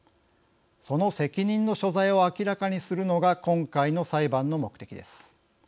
その責任の所在を明らかにするのが今回の裁判の目的です。